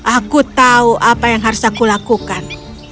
aku tahu apa yang harus aku lakukan